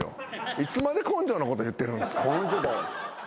いつまで根性のこと言ってるんすか。